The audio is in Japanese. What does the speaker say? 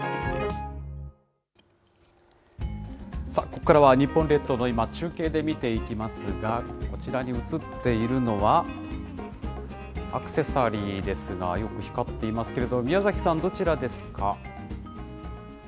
ここからは日本列島の今、中継で見ていきますが、こちらに映っているのは、アクセサリーですが、よく光っていますけれども、宮崎さん、どちらですか。